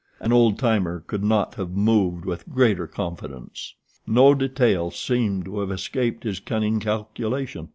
An old timer could not have moved with greater confidence. No detail seemed to have escaped his cunning calculation.